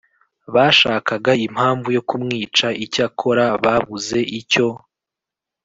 bashakaga impamvu yo kumwica Icyakora babuze icyo